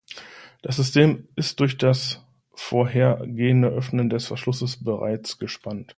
Das System ist durch das vorhergehende Öffnen des Verschlusses bereits gespannt.